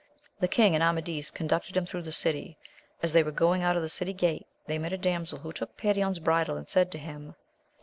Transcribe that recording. The king and Amadis conducted him through the city. As they were going out of the city gate, they met a damsel who took Perion's bridle, and said to him.